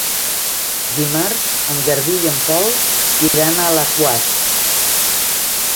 Dimarts en Garbí i en Pol iran a Alaquàs.